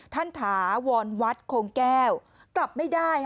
ท่านถาวรวัฒษ์โขงแก้วกลับไม่ได้